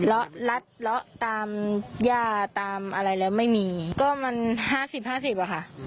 ละลัดเลาะตามย่าตามอะไรแล้วไม่มีก็มันห้าสิบห้าสิบอ่ะค่ะ